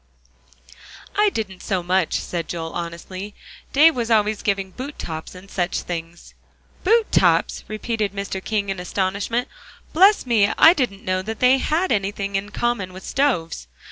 "I didn't so much," said Joel honestly, "Dave was always giving boot tops and such things." "Boot tops!" repeated Mr. King in astonishment. "Bless me, I didn't know that they had anything in common with stoves."